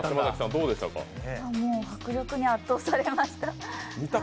迫力に圧倒されました。